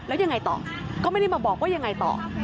แล้วยังไงต่อก็ไม่ได้มาบอกว่ายังไงต่อ